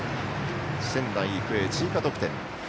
仙台育英、追加得点。